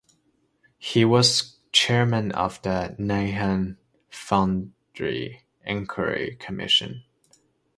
He was chairman of the Nahan Foundry Enquiry Commission.